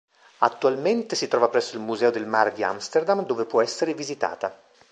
Attualmente si trova presso il Museo del Mare di Amsterdam, dove può essere visitata.